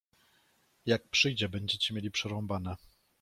Jak przyjdzie, będziecie mieli przerąbane.